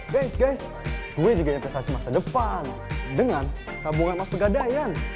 dex guys gue juga investasi masa depan dengan tabungan mas pegadaian